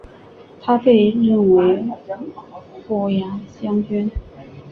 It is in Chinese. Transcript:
他被任为虎牙将军。